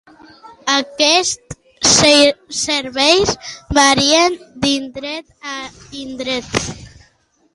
Aquests serveis varien d'indret a indret.